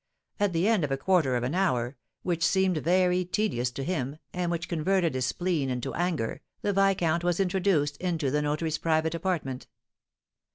At the end of a quarter of an hour, which seemed very tedious to him, and which converted his spleen into anger, the viscount was introduced into the notary's private apartment.